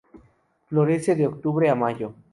Florece de octubre a mayo.